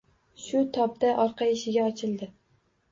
Shu tobda orqa eshigi ochildi.